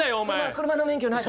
車の免許ないから。